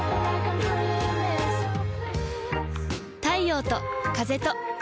太陽と風と